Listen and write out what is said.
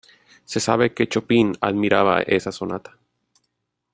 Se sabe que Chopin admiraba esa sonata.